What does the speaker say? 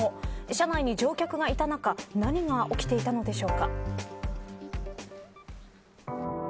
車内に乗客がいた中何が起きていたのでしょうか。